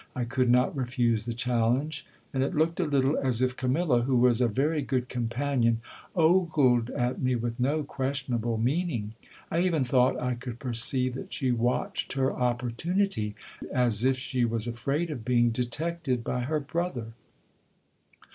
I could not refuse the challenge ; and it locked a little as if Camilla, who was a very good companion, ogled at me with no questionable meaning. I even thought I could perceive that she watched her opportunity, as if she was afraid of being detected by her brother.